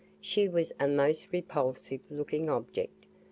She was a most repulsive looking object.